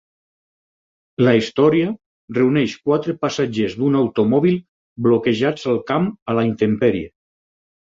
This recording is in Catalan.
La història reuneix quatre passatgers d'un automòbil bloquejats al camp a la intempèrie.